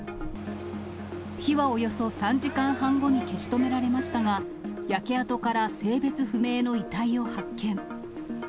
火はおよそ３時間半後に消し止められましたが、焼け跡から性別不明の遺体を発見。